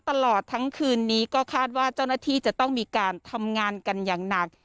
ตลอดทั้งคืนนี้ก็คาดว่าเจ้าหน้าที่จะต้องมีการทำงานกันอย่างหนัก